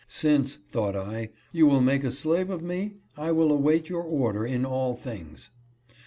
"Since," thought I, " you will make a slave of me, I will await your order in all things."